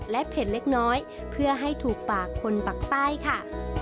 และเผ็ดเล็กน้อยเพื่อให้ถูกปากคนปากใต้ค่ะ